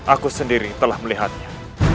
aku sendiri telah melihatnya